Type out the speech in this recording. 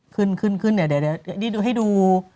ขึ้นให้ดู